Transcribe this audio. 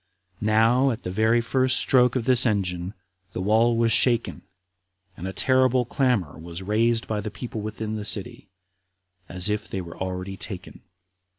Now, at the very first stroke of this engine, the wall was shaken, and a terrible clamor was raised by the people within the city, as if they were already taken.